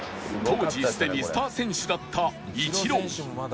当時すでにスター選手だったイチロー